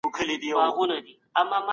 د دلارام ولسوالي د مېړانې او سخاوت کور دی.